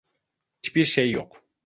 Hiçbir şey yok.